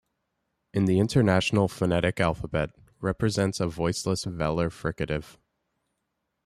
In the International Phonetic Alphabet, represents a voiceless velar fricative.